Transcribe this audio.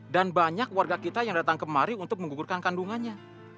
dan banyak warga kita yang datang kemari untuk menggugurkan kandungannya